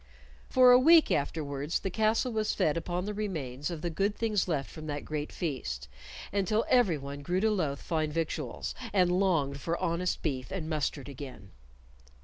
For a week afterwards the castle was fed upon the remains of the good things left from that great feast, until everyone grew to loathe fine victuals, and longed for honest beef and mustard again.